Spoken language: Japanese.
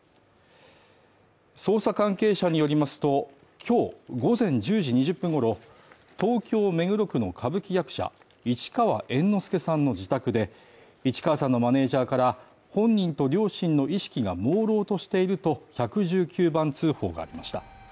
捜査関係者によりますと、今日午前１０時２０分ごろ、東京・目黒区の歌舞伎役者市川猿之助さんの自宅で、市川さんのマネージャーから本人と両親の意識がもうろうとしていると１１９番通報がありました。